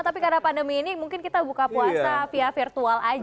tapi karena pandemi ini mungkin kita buka puasa via virtual aja